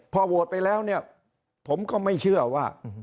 พอโหวตไปแล้วเนี่ยผมก็ไม่เชื่อว่า